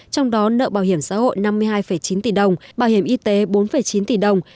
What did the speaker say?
trong đó nợ bảo hiểm xã hội năm mươi hai chín tỷ đồng bảo hiểm y tế bốn chín tỷ đồng